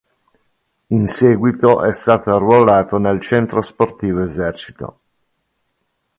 In seguito è stato arruolato nel Centro Sportivo Esercito.